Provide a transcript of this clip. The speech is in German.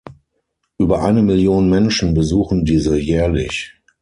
Über eine Million Menschen besuchen diese jährlich.